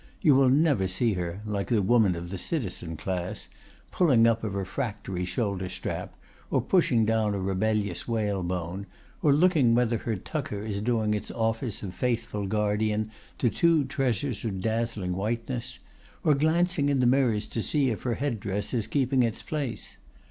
You will never see her, like the woman of the citizen class, pulling up a refractory shoulder strap, or pushing down a rebellious whalebone, or looking whether her tucker is doing its office of faithful guardian to two treasures of dazzling whiteness, or glancing in the mirrors to see if her head dress is keeping its place.